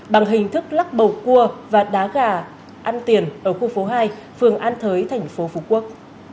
bằng hình thức lắc bầu cua và đá gà ăn tiền ở khu phố hai phường an thới thành phố phú quốc